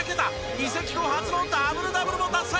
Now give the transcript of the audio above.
移籍後初のダブルダブルも達成！